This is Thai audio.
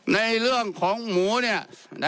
ในเรื่องของหมูเนี่ย